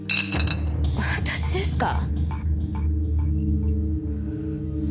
私ですか？